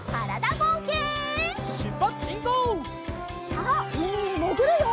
さあうみにもぐるよ！